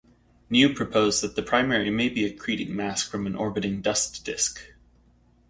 Niu proposed that the primary may be accreting mass from an orbiting dust disk.